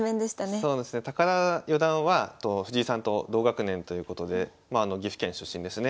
そうですね高田四段は藤井さんと同学年ということで岐阜県出身ですね。